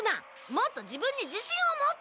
もっと自分に自信を持って！